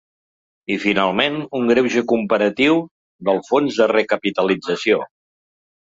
I, finalment, un greuge comparatiu del fons de recapitalització.